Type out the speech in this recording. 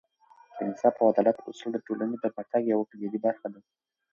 د انصاف او عدالت اصول د ټولنې پرمختګ یوه کلیدي برخه ده.